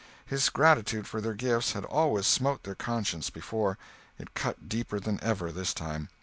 His gratitude for their gifts had always smote their consciences before—it cut deeper than ever, this time.